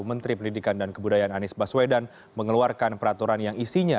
menteri pendidikan dan kebudayaan anies baswedan mengeluarkan peraturan yang isinya